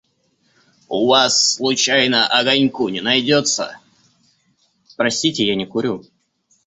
«У вас случайно огоньку не найдется?» — «Простите, я не курю».